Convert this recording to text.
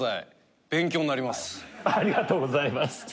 ありがとうございます。